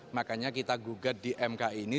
makanya kita gugat di mk ini